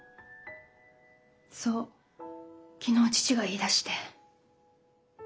そう昨日父が言いだして。